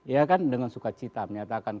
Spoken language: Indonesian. ya kan dengan sukacita menyatakan